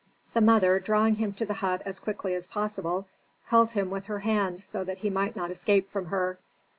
The mother, drawing him to the hut as quickly as possible, held him with her hand so that he might not escape from her.